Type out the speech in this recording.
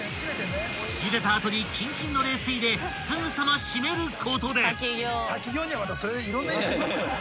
［ゆでた後にキンキンの冷水ですぐさま締めることで］